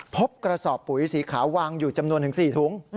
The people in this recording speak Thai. พบกระสอบปุ๋ยสีขาววางอยู่จำนวนถึง๔ถุง